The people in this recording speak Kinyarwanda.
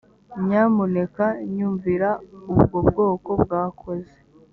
nyamuneka nyumvira ubwo bwoko bwakoze.